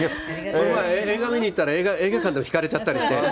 この前、映画見に行ったら、映画館で引かれちゃったりして。